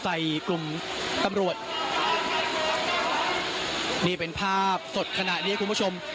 ใส่กลุ่มตำรวจนี่เป็นภาพสดขณะนี้คุณผู้ชม